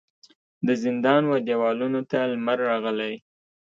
د زندان و دیوالونو ته لمر راغلی